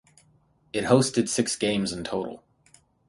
It hosted six games in total.